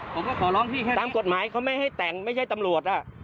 ขอร้องพี่แค่ตามกฎหมายเขาไม่ให้แต่งไม่ใช่ตำรวจอ่ะ